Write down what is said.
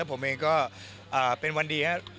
ผมเองก็เป็นวันดีครับ